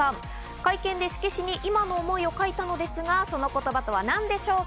会見で色紙に今の思いを書いたのですが、その言葉とはなんでしょうか？